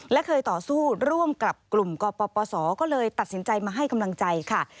และเคยต่อสู้ร่วมกับกลุ่มกปศก็เลยตัดสินใจมาให้กำลังใจค่ะ